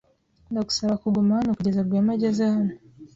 Ndagusaba kuguma hano kugeza Rwema ageze hano.